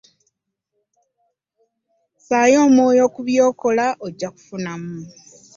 Sayo omwoyo kubyokola ojja kufunamu.